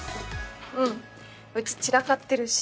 うんうち散らかってるし。